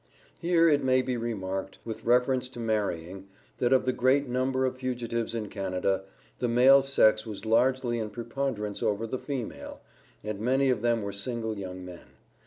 Here it may be remarked, with reference to marrying, that of the great number of fugitives in Canada, the male sex was largely in preponderance over the female, and many of them were single young men.